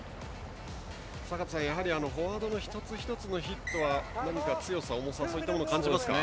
坂田さん、フォワードの一つ一つのヒットは、何か強さ、重さそういったものを感じますか。